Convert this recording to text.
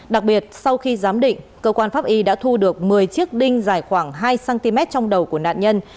đặc biệt sau khi giám định cơ quan pháp y đã thu được một mươi chiếc đinh dài khoảng hai cm trong đầu của nạn nhân